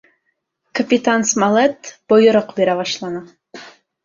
Капитан Смолетт бойороҡ бирә башланы.